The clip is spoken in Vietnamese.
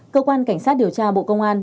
cơ quan cảnh sát điều tra bộ công an